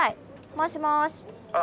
もしもし。